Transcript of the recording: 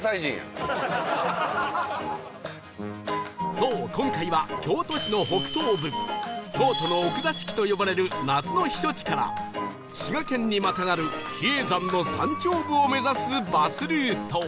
そう今回は京都市の北東部京都の奥座敷と呼ばれる夏の避暑地から滋賀県にまたがる比叡山の山頂部を目指すバスルート